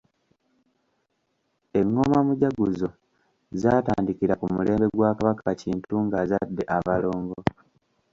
Engoma mujaguzo zaatandikira ku mulembe gwa Kabaka Kintu ng'azadde abalongo.